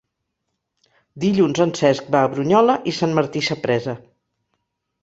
Dilluns en Cesc va a Brunyola i Sant Martí Sapresa.